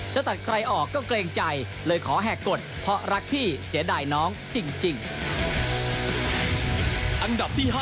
ตัดใครออกก็เกรงใจเลยขอแหกกฎเพราะรักพี่เสียดายน้องจริง